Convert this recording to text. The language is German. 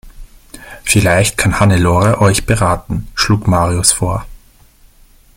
Vielleicht kann Hannelore euch beraten, schlug Marius vor.